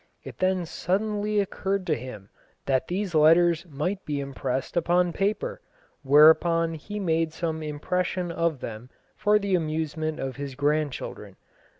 It then suddenly occurred to him that these letters might be impressed upon paper; whereupon he made some impressions of them for the amusement of his grandchildren.